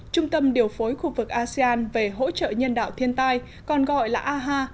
trung tâm điều phối khu vực asean về hỗ trợ nhân đạo thiên tai còn gọi là aha